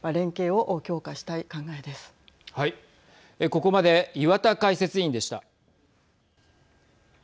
ここまで岩田解説委員でした。